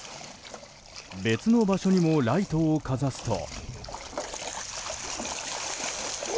別の場所にもライトをかざすと。